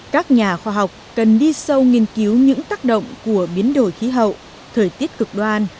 các nhà khoa học cần đi sâu nghiên cứu những tác động của biến đổi khí hậu thời tiết cực đoan